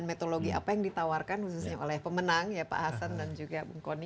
dan metodologi apa yang ditawarkan khususnya oleh pemenang ya pak hasan dan juga bung koni